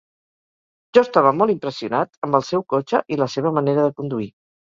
Jo estava molt impressionat amb el seu cotxe i la seva manera de conduir.